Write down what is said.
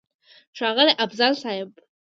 ښاغلی افضل صيب!!